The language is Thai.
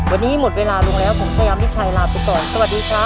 วันนี้หมดเวลาแล้วเชลมดิสัยลาไปต่อสวัสดีครับ